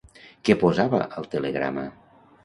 Què posava al telegrama?